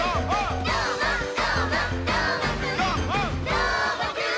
「どーもくん！」